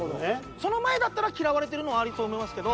その前だったら嫌われてるのはありと思いますけど。